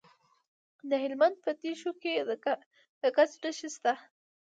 د هلمند په دیشو کې د ګچ نښې شته.